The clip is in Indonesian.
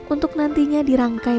untuk nantinya dirangkai